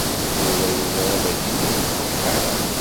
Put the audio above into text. Yuba yeẓra dakken ur nefṛiḥ ara.